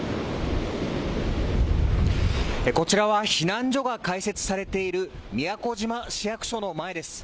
こちらは避難所が開設されている宮古島市役所の前です。